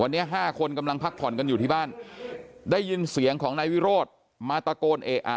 วันนี้ห้าคนกำลังพักผ่อนกันอยู่ที่บ้านได้ยินเสียงของนายวิโรธมาตะโกนเอะอะ